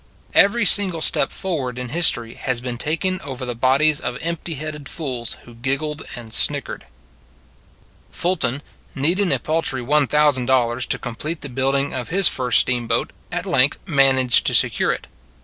Every single forward step in history has been taken over the bodies of empty headed fools who giggled and snickered. Fulton, needing a paltry $1,000 to com plete the building of his first steamboat, at length managed to secure it.